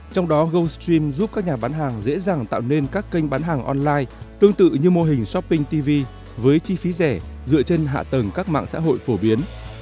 trong đó goldstream giúp các nhà bán hàng dễ dàng tạo nên các kênh bán hàng online tương tự như mô hình shopping tv với chi phí rẻ dựa trên hạ tầng các mạng xã hội phổ biến